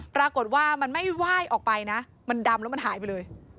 ปรากฏว่ามันไม่ไหว้ออกไปนะมันดำแล้วมันหายไปเลย